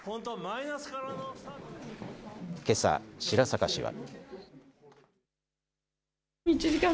けさ白坂氏は。